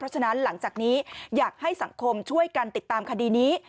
ฉะนั้นหลังจากนี้อยากให้สังคมช่วยกันติดตามคดีนี้